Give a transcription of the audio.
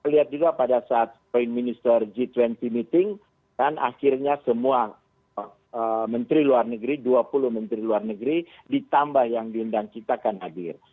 lihat juga pada saat point minister g dua puluh meeting kan akhirnya semua menteri luar negeri dua puluh menteri luar negeri ditambah yang diundang kita akan hadir